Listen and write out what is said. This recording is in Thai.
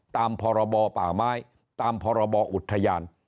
ตามพรบป่าไม้ตามพรบอุทยาน